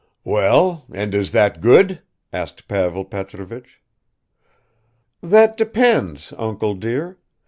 "Well, and is that good?" asked Pavel Petrovich. "That depends, uncle dear.